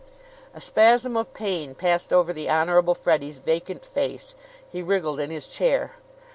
A spasm of pain passed over the Honorable Freddie's vacant face. He wriggled in his chair.